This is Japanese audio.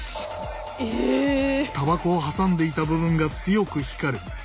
たばこを挟んでいた部分が強く光る。